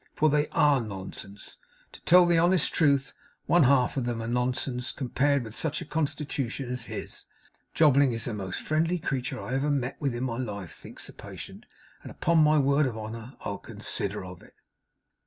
For they ARE nonsense to tell the honest truth, one half of them are nonsense compared with such a constitution as his!' ['Jobling is the most friendly creature I ever met with in my life,' thinks the patient; 'and upon my word and honour, I'll consider of it!